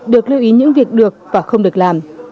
được lưu ý những việc được và không được làm